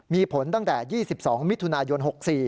มีผลตั้งแต่๒๒มิถุนายน๖๔